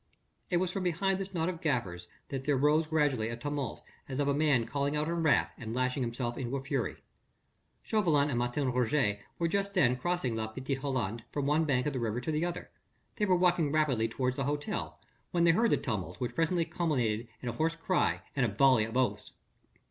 It was from behind this knot of gaffers that there rose gradually a tumult as of a man calling out in wrath and lashing himself into a fury. Chauvelin and Martin Roget were just then crossing La Petite Hollande from one bank of the river to the other: they were walking rapidly towards the hotel, when they heard the tumult which presently culminated in a hoarse cry and a volley of oaths.